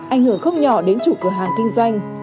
ảnh hưởng không nhỏ đến chủ cửa hàng kinh doanh